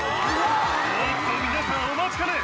おっと皆さんお待ちかね。